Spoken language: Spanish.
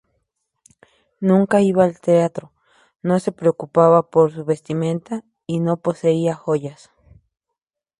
Nunca iba al teatro, no se preocupaba por su vestimenta, y no poseía joyas.